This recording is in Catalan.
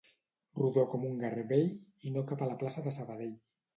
Rodó com un garbell i no cap a la plaça de Sabadell.